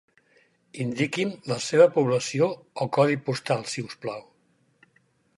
Indiqui'm la seva població o codi postal si us plau.